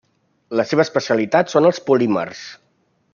La seva especialitat són els polímers.